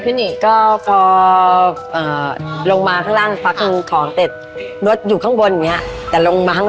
เดี๋ยวจะซื้อรถให้ก็ได้จริง